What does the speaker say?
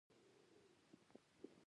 وزې د کروندګرو لپاره یو برکت دي